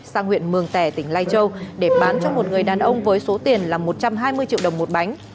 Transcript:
sang huyện mường tẻ tỉnh lai châu để bán cho một người đàn ông với số tiền là một trăm hai mươi triệu đồng một bánh